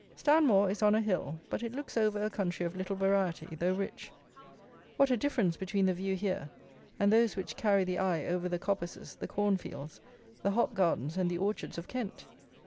Stanmore is on a hill; but it looks over a country of little variety, though rich. What a difference between the view here and those which carry the eye over the coppices, the corn fields, the hop gardens and the orchards of Kent!